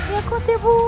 ya kut ya bu